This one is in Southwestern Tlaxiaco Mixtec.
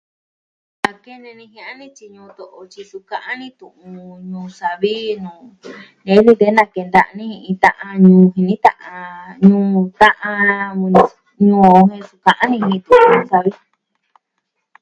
A kene nijia'a tyi ñuu to'o tyi su ka'an ni tu'n Ñuu Savi nuu, nee ni tee na kenta ni iin ta'an, jini ta'an, ta'an... ñuu o jen suu ka'an ni jin tu'un savi.